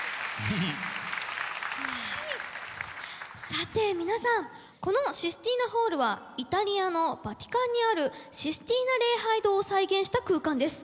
さて皆さんこのシスティーナ・ホールはイタリアのヴァティカンにあるシスティーナ礼拝堂を再現した空間です。